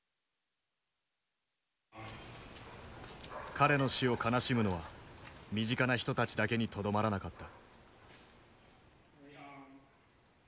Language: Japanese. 彼の死を悲しむのは身近な人たちだけにとどまらなかった。